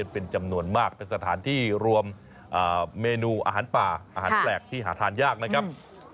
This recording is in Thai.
เป็นจำนวนมากเป็นสถานที่รวมเมนูอาหารป่าอาหารแปลกที่หาทานยากนะครับ